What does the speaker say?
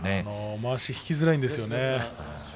まわしを引きづらいんですよね。